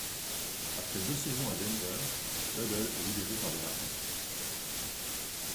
Après deux saisons à Denver, Buddle est libéré par les Rapids.